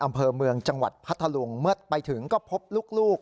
อำเภอเมืองจังหวัดพัทธลุงเมื่อไปถึงก็พบลูก